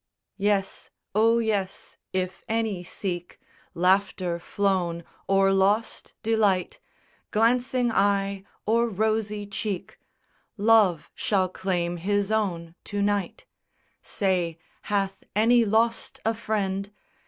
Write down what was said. SONG _Yes; oh, yes; if any seek Laughter flown or lost delight, Glancing eye or rosy cheek, Love shall claim his own to night! Say, hath any lost a friend?